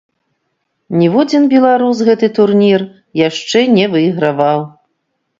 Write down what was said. Ніводзін беларус гэты турнір яшчэ не выйграваў.